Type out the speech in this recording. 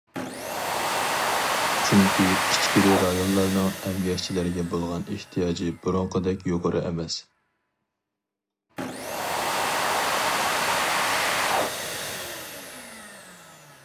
چۈنكى ئىچكىرى رايونلارنىڭ ئەمگەكچىلەرگە بولغان ئېھتىياجى بۇرۇنقىدەك يۇقىرى ئەمەس.